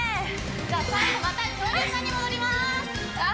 じゃあ最後また恐竜さんに戻りますあっ